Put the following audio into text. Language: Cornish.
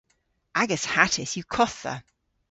Agas hattys yw kottha.